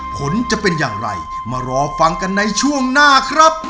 ผลจะเป็นอย่างไรมารอฟังกันในช่วงหน้าครับ